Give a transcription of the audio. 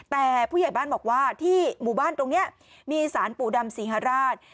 แต่ผู้ใหญ่บ้านบอกว่าที่หมู่บ้านตรงนี้มีสารปู่ดำศรีฮราช